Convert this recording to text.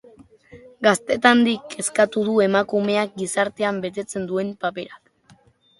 Gaztetandik kezkatu du emakumeak gizartean betetzen duen paperak.